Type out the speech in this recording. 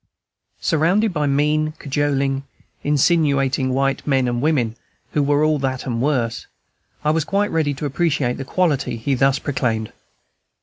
Surrounded by mean, cajoling, insinuating white men and women who were all that and worse, I was quite ready to appreciate the quality he thus proclaimed.